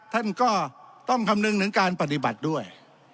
ท่านก็ต้องคำนึงถึงการปฏิบัติด้วย